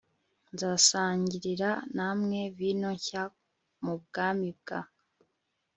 nzasangirira namwe vino nshya mu bwami bwa